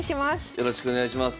よろしくお願いします。